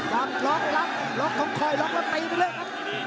ต้องคอยล็อกแล้วตีไปเลยครับ